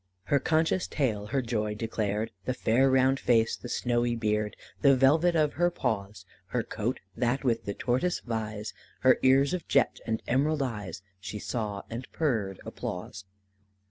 "Her conscious tail her joy declared The fair round face, the snowy beard, The velvet of her paws, Her coat, that with the tortoise vies, Her ears of jet, and emerald eyes She saw and purred applause.